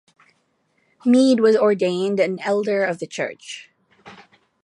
Mead was ordained an elder of the church.